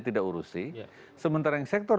tidak urusi sementara yang sektor